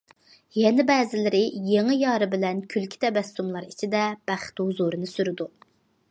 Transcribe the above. يەنە بەزىلىرى يېڭى يارى بىلەن كۈلكە- تەبەسسۇملار ئىچىدە بەخت ھۇزۇرىنى سۈرىدۇ.